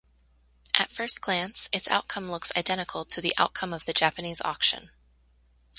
At first glance, its outcome looks identical to the outcome of the Japanese auction.